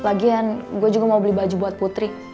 lagian gue juga mau beli baju buat putri